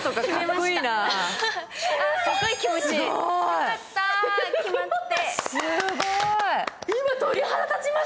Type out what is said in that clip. よかった、決まって。